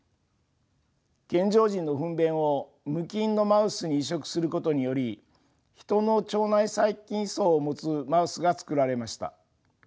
健常人のふん便を無菌のマウスに移植することによりヒトの腸内細菌そうを持つマウスが作られました。